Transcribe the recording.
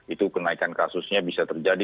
itu kenaikan kasusnya bisa terjadi